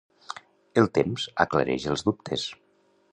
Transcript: El temps aclareix els dubtes.